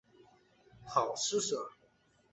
好施舍。